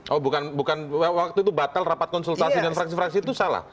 oh bukan waktu itu batal rapat konsultasi dengan fraksi fraksi itu salah